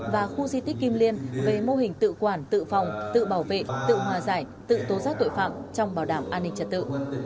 và khu di tích kim liên về mô hình tự quản tự phòng tự bảo vệ tự hòa giải tự tố giác tội phạm trong bảo đảm an ninh trật tự